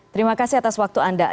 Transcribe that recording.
terima kasih atas waktu anda